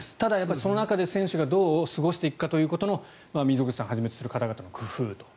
その中で選手がどう過ごしていくかという溝口さんをはじめとする方々の工夫と。